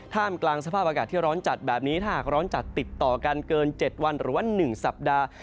กลางสภาพอากาศที่ร้อนจัดแบบนี้ถ้าหากร้อนจัดติดต่อกันเกิน๗วันหรือว่า๑สัปดาห์